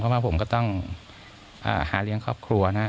เพราะว่าผมก็ต้องหาเลี้ยงครอบครัวนะครับ